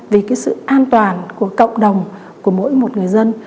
vì cái sự an toàn của cộng đồng của mỗi một người dân